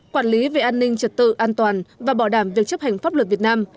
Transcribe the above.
quản lý về an ninh trật tự an toàn và bảo đảm việc chấp hành pháp luật việt nam